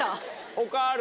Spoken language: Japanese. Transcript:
他ある？